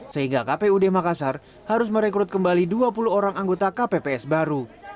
sehingga kpud makassar harus merekrut kembali dua puluh orang anggota kpps baru